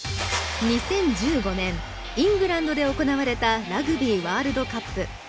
２０１５年イングランドで行われたラグビーワールドカップ。